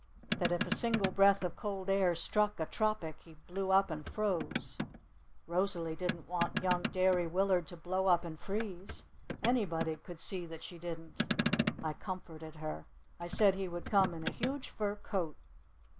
That if a single breath of cold air struck a tropic he blew up and froze. Rosalee didn't want young Derry Willard to blow up and freeze. Anybody could see that she didn't. I comforted her. I said he would come in a huge fur coat.